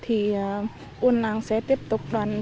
thì buôn làng sẽ tiếp tục